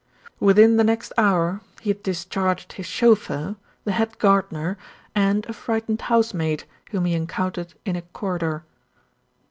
Within the next hour he had discharged his chauffeur, the head gardener, and a frightened housemaid, whom he encountered in a corridor.